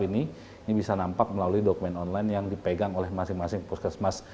ini bisa nampak melalui dokumen online yang dipegang oleh masing masing puskesmas